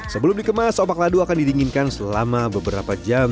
sebelum dikemas opak ladu akan didinginkan selama beberapa jam